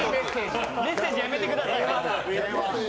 メッセージやめてください。